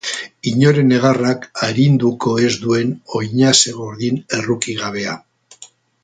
Inoren negarrak arinduko ez duen oinaze gordin errukigabea.